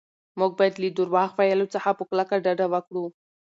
موږ باید له درواغ ویلو څخه په کلکه ډډه وکړو.